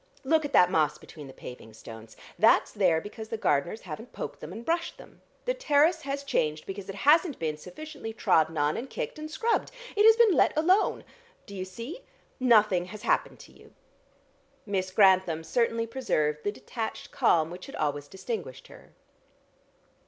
Look at that moss between the paving stones! That's there because the gardeners haven't poked them and brushed them. The terrace has changed because it hasn't been sufficiently trodden on and kicked and scrubbed. It has been let alone. Do you see? Nothing has happened to you." Miss Grantham certainly preserved the detached calm which had always distinguished her.